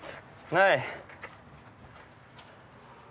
ない。